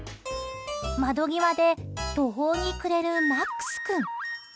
窓際で途方に暮れるマックス君。